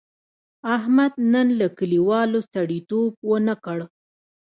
احمد نن له کلیوالو سړیتیوب و نه کړ.